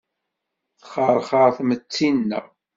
Texxerxer tmetti-nneɣ.